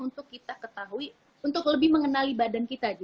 untuk kita ketahui untuk lebih mengenali badan kita